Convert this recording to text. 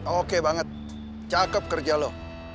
oke banget cakep kerja loh